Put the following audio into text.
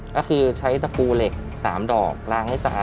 ก็คือใช้ตะปูเหล็ก๓ดอกล้างให้สะอาด